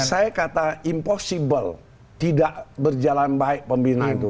saya kata impossible tidak berjalan baik pembina itu